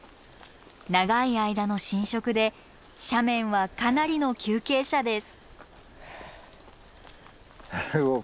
長い間の浸食で斜面はかなりの急傾斜です。